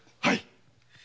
はい！